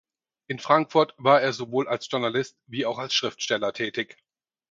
In Frankfurt war er sowohl als Journalist wie auch als Schriftsteller tätig.